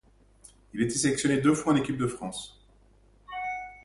Il a été sélectionné deux fois en équipe de France.